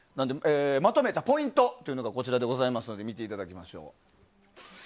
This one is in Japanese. まとめたポイントがこちらですので見ていただきましょう。